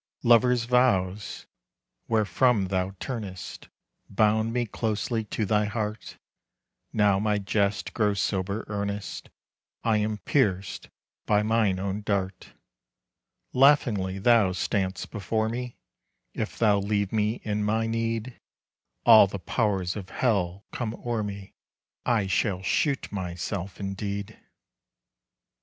Lovers' vows, wherefrom thou turnest, Bound me closely to thy heart, Now my jest grows sober earnest, I am pierced by mine own dart. Laughingly thou stand'st before me If thou leave me in my need, All the powers of hell come o'er me, I shall shoot myself indeed.